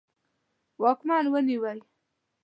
واکمن ونیوی.